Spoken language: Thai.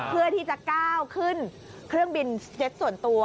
เพื่อที่จะก้าวขึ้นเครื่องบินสเต็ตส่วนตัว